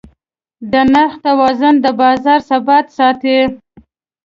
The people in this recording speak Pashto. د نرخ توازن د بازار ثبات ساتي.